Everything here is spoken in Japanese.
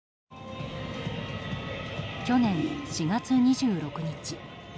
ＪＴ去年４月２６日。